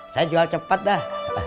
saya jual cepet dah